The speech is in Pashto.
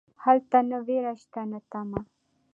هلته نه ویره شته نه تمه.